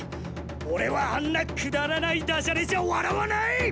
オレはあんなくだらないダジャレじゃわらわない！